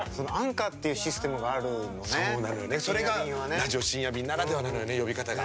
それが「ラジオ深夜便」ならではなのよね呼び方が。